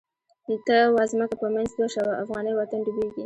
ته واځمکه په منځ دوه شوه، افغانی وطن ډوبیږی